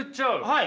はい。